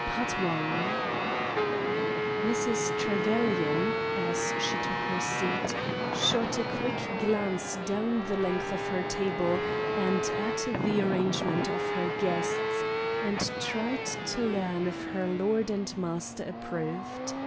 AN UNFINISHED STORY Mrs. Trevelyan, as she took her seat, shot a quick glance down the length of her table and at the arrangement of her guests, and tried to learn if her lord and master approved.